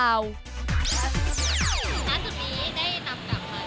นับจุดนี้ได้นำกลับมาเรียนไหม